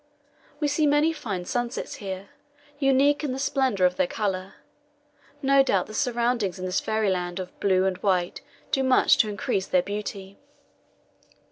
We see many fine sunsets here, unique in the splendour of their colour. No doubt the surroundings in this fairyland of blue and white do much to increase their beauty.